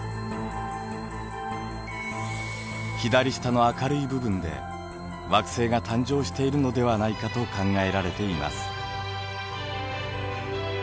左下の明るい部分で惑星が誕生しているのではないかと考えられています。